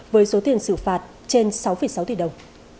với số tiền xử phạt trên sáu sáu tỷ đồng